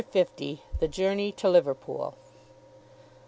THE JOURNEY TO LIVERPOOL.